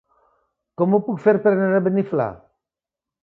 Com ho puc fer per anar a Beniflà?